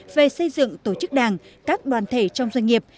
về xây dựng tổ chức đảng các đoàn thể trong doanh nghiệp